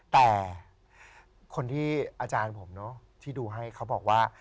แต่คนที่อาจารย์ผมเนอะที่ดูให้เขาบอกว่า